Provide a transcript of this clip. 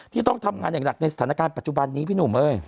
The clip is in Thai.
ที่ต้องทำงานอย่างหนักในสถานการณ์ปัจจุบันนี้พี่หนุ่มเอ้ย